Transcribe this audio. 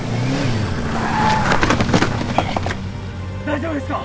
大丈夫ですか！？